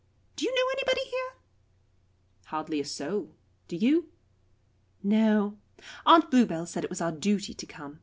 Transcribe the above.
Do you know anybody here?" "Hardly a soul. Do you?" "No. Aunt Bluebell said it was our duty to come.